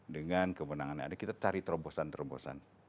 dengan kewenangan yang ada kita cari terobosan terobosan